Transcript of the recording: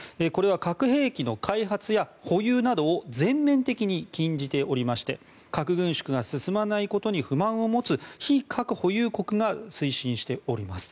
これは核兵器の開発や保有などを全面的に禁じていて核軍縮が進まないことに不満を持つ非核保有国が推進しています。